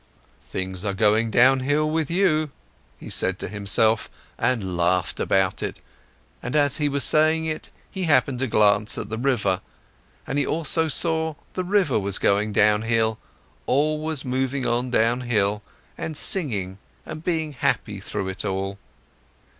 "Things are going downhill with you!" he said to himself, and laughed about it, and as he was saying it, he happened to glance at the river, and he also saw the river going downhill, always moving on downhill, and singing and being happy through it all.